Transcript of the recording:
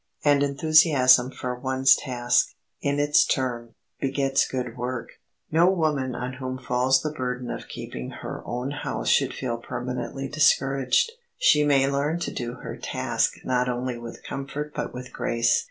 And enthusiasm for one's task, in its turn, begets good work. No woman on whom falls the burden of keeping her own house should feel permanently discouraged. She may learn to do her task not only with comfort but with grace.